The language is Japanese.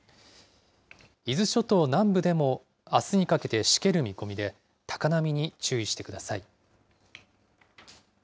伊豆諸島南部でもあすにかけてしける見込みで、高波に注意してください。